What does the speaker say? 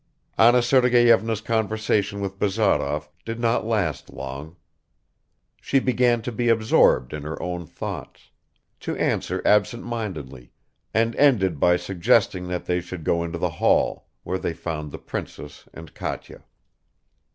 Anna Sergeyevna's conversation with Bazarov did not last long. She began to he absorbed in her own thoughts, to answer absentmindedly and ended by suggesting that they should go into the hall, where they found the princess and Katya.